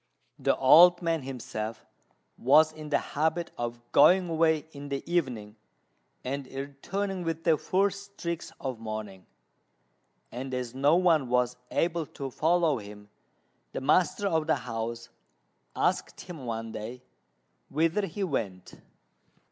The old man himself was in the habit of going away in the evening and returning with the first streaks of morning; and as no one was able to follow him, the master of the house asked him one day whither he went.